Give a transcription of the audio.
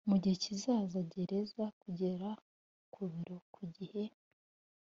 mugihe kizaza, gerageza kugera ku biro ku gihe